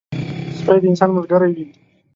سپي د انسان ملګری وي.